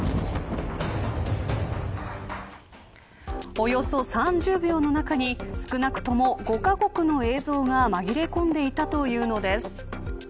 およそ３０秒の中に少なくとも５カ国の映像が紛れ込んでいたというのです。